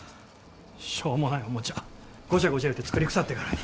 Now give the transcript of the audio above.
しょうもないおもちゃゴチャゴチャ言うて作りくさってからに。